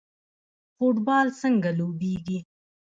فوټبال څنګه لوبیږي؟